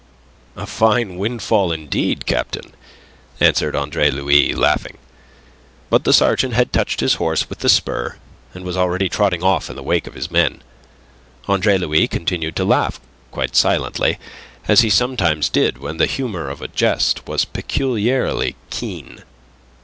"A fine windfall, indeed, captain," answered Andre Louis, laughing. But the sergeant had touched his horse with the spur, and was already trotting off in the wake of his men. Andre Louis continued to laugh, quite silently, as he sometimes did when the humour of a jest was peculiarly keen.